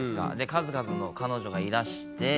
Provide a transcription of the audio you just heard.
数々の彼女がいらして。